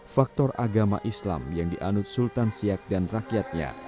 faktor agama islam yang dianut sultan siak dan rakyatnya